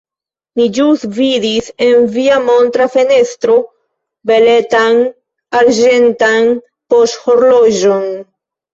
Mi ĵus vidis en via montra fenestro beletan arĝentan poŝhorloĝon.